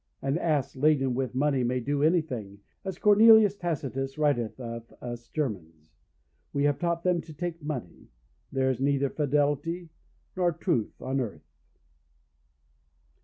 An ass laden with money may do anything, as Cornelius Tacitus writeth of us Germans; we have taught them to take money; there is neither fidelity nor truth on earth.